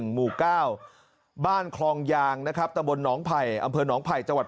หมู่๙บ้านคลองยางนะครับตะบนหนองไผ่อำเภอหนองไผ่จังหวัด